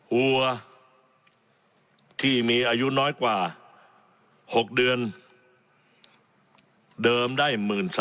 วัวที่มีอายุน้อยกว่า๖เดือนเดิมได้๑๓๐๐